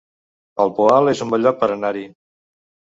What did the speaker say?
El Poal es un bon lloc per anar-hi